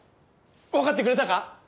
わかってくれたか！